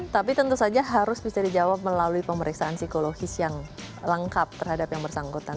tapi tentu saja harus bisa dijawab melalui pemeriksaan psikologis yang lengkap terhadap yang bersangkutan